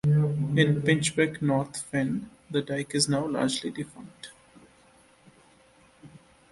In Pinchbeck North Fen, the dike is now largely defunct.